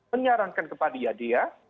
menyarankan kepada yadea